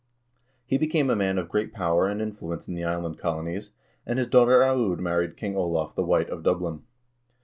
He became a man of great power and influence in the island colonies, and his daughter Aud married King Olav the White of Dublin.